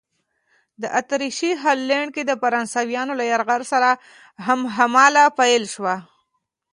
د اتریشي هالنډ کې د فرانسویانو له یرغل سره هممهاله پیل شوه.